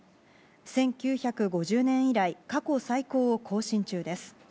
１９５０年以来過去最高を更新中です。